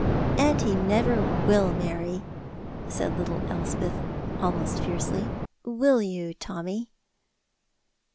"And he never will marry," said little Elspeth, almost fiercely; "will you, Tommy?"